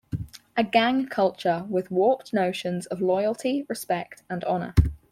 A gang culture with warped notions of loyalty, respect and honour.